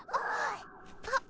あっ。